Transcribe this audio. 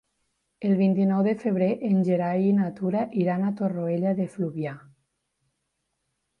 El vint-i-nou de febrer en Gerai i na Tura iran a Torroella de Fluvià.